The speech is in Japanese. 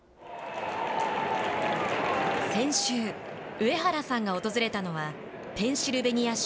上原さんが訪れたのはペンシルベニア州